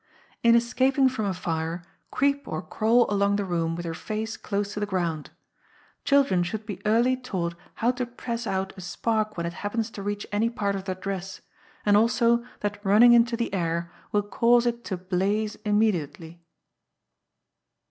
In escaping from a fire, creep or crawl along the room with your face close to the ground. Children should be early taught how to press out a spark when it happens to reach any part of their dress, and also that running into the air will cause it to blaze immediately.